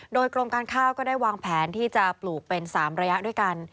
โดยกรมการข้าวก็ได้วางแผนที่จะปลูกเป็น๓ระยะด้วยกัน